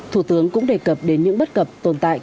thủ tướng cũng đề cập đến những bất cập tồn tại